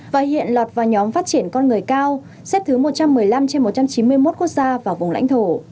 và hiện lọt vào nhóm phát triển con người cao xếp thứ một trăm một mươi năm trên một trăm chín mươi một quốc gia và vùng lãnh thổ